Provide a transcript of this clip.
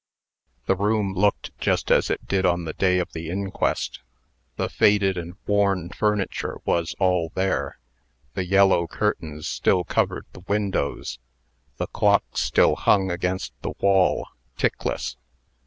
The room looked just as it did on the day of the inquest. The faded and worn furniture was all there; the yellow curtains still covered the windows; the clock still hung against the wall, tickless.